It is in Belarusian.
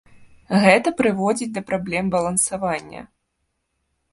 Гэта прыводзіць да праблем балансавання.